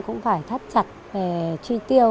cũng phải thắt chặt về truy tiêu